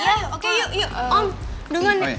ya oke yuk yuk om dengerin